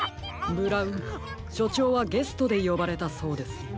ブラウンしょちょうはゲストでよばれたそうですよ。